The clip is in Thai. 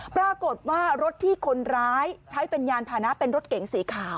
ปรากฏว่ารถที่คนร้ายใช้เป็นยานพานะเป็นรถเก๋งสีขาว